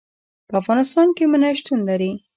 په افغانستان کې منی شتون لري.